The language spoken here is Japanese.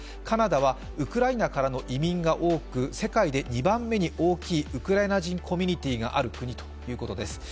カナダはウクライナからの移民が多く、世界で２番目に大きいウクライナ人コミュニティーがある国ということです。